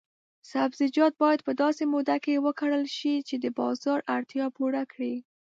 سبزیجات باید په داسې موده کې وکرل شي چې د بازار اړتیا پوره کړي.